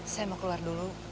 saya mau keluar dulu